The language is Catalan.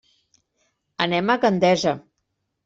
Anem a Gandesa.